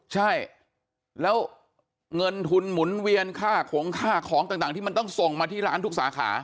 ใช่แล้วเงินทุนหมุนเวียนค่าขงค่าของต่างที่มันต้องส่งมาที่ร้านทุกสาขา